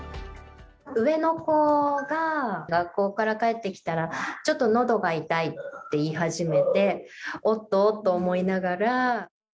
上の子が学校から帰ってきたら、ちょっと、喉が痛いって言い始めてお、お、と思いながら。